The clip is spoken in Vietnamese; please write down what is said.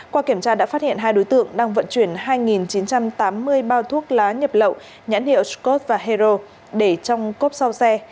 qua kiểm tra đã phát hiện hai đối tượng đang vận chuyển hai chín trăm tám mươi bao thuốc lá nhập lậu nhãn hiệu scott và hero để trong cốp sau xe